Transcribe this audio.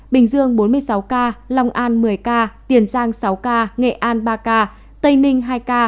bình dương bốn mươi sáu ca long an một mươi ca tiền giang sáu ca nghệ an ba ca tây ninh hai ca